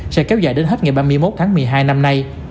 sẽ kéo dài đến hết ngày ba mươi một tháng một mươi hai năm nay